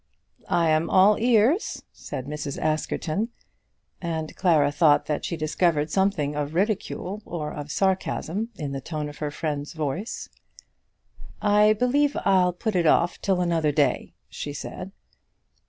"I am all ears," said Mrs. Askerton; and Clara thought that she discovered something of ridicule or of sarcasm in the tone of her friend's voice. "I believe I'll put it off till another day," she said.